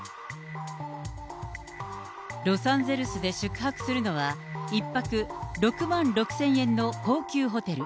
ロサンゼルスで宿泊するのは、１泊６万６０００円の高級ホテル。